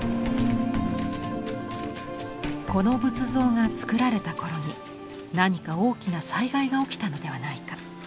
この仏像がつくられた頃に何か大きな災害が起きたのではないか。